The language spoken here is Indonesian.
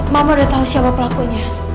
mama udah tahu siapa pelakunya